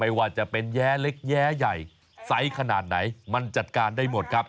ไม่ว่าจะเป็นแย้เล็กแย้ใหญ่ไซส์ขนาดไหนมันจัดการได้หมดครับ